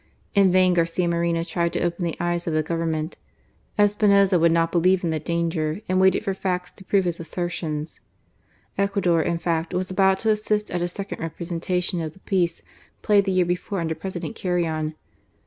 In vain Garcia Moreno tried to open the eyes of the Governments Espinoza would not believe in the danger, and waited for facts to prove his assertions* Ecuador, in fact, was about to assist at a second representation oS the piece played the year bef<^ under President Carrion.